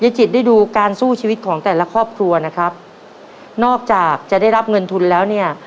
จิตได้ดูการสู้ชีวิตของแต่ละครอบครัวนะครับนอกจากจะได้รับเงินทุนแล้วเนี่ย